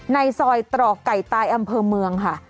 ในซอยตรอกไก่ตายอำเภอเมืองค่ะ